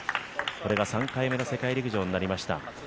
これが３回目の世界陸上になりました。